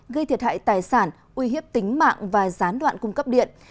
gây thiệt hại tài sản uy hiếp tính mạng và gián đoạn cung cấp điện